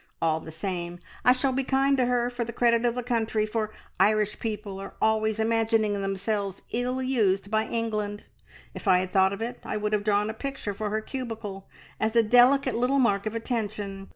All the same, I shall be kind to her, for the credit of the country, for Irish people are always imagining themselves ill used by England. If I had thought of it I would have drawn a picture for her cubicle, as a delicate little mark of attention.